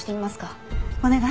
お願い。